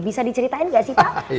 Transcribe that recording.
bisa diceritain nggak sih pak